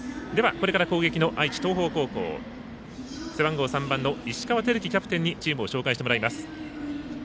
これから攻撃の愛知・東邦高校背番号３番の石川瑛貴キャプテンにチームを紹介してもらいます。